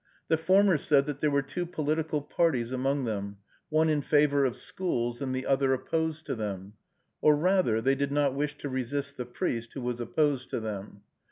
The former said that there were two political parties among them, one in favor of schools, and the other opposed to them, or rather they did not wish to resist the priest, who was opposed to them.